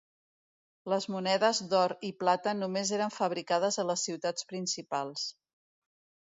Les monedes d'or i plata només eren fabricades a les ciutats principals.